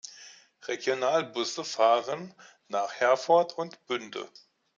Regionalbusse fahren nach Herford und Bünde.